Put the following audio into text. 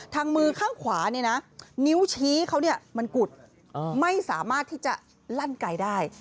มือข้างขวาเนี่ยนะนิ้วชี้เขามันกุดไม่สามารถที่จะลั่นไกลได้